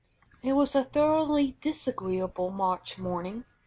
It was a thoroughly disagreeable March morning.